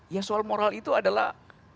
ya soal moral itu adalah